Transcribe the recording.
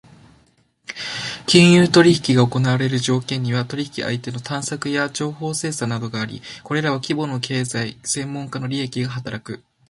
金融取引が行われる条件には、取引相手の探索や情報生産などがあり、これらは規模の経済・専門家の利益が働く。